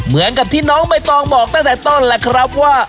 เหมือนกับที่น้องใบตองบอกตั้งแต่ต้นแหละครับว่า